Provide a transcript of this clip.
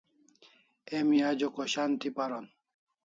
Emi Ajo khoshan thi paron